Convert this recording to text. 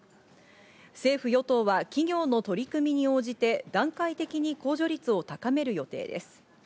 政府・与党は企業の取り組みに応じて、段階的に控除率を高める予定です。